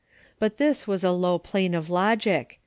But this was a low plane of logic.